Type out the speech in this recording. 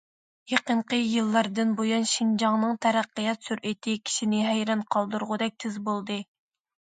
يېقىنقى يىللاردىن بۇيان شىنجاڭنىڭ تەرەققىيات سۈرئىتى كىشىنى ھەيران قالدۇرغۇدەك تېز بولدى.